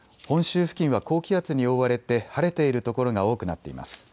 本州付近は高気圧に覆われて晴れている所が多くなっています。